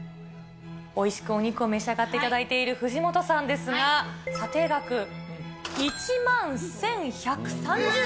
おいしくお肉を召し上がっていただいている藤本さんですが、査定額、１万１１３０円。